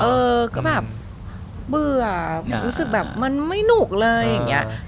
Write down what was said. เออก็แบบเบื่อรู้สึกแบบมันไม่หนุกเลยอย่างนี้